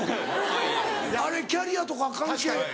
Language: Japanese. あれキャリアとか関係。